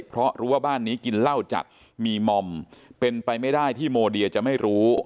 เพราะรู้ว่าบ้านนี้กินเหล้าจัดมีมอมเป็นไปไม่ได้ที่โมเดียจะไม่รู้